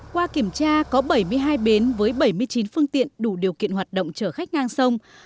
qua kiểm tra có bảy mươi hai bến với bảy mươi chín phương tiện đủ điều kiện hoạt động chở khách ngang sông